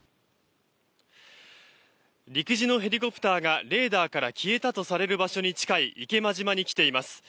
陸自のヘリコプターがレーダーから消えたとされる場所に近い池間島に来ています。